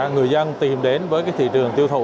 người dân tìm đến với thị trường tiêu thụ